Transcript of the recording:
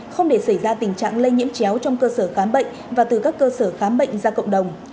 không để xảy ra tình trạng lây nhiễm chéo trong cơ sở khám bệnh và từ các cơ sở khám bệnh ra cộng đồng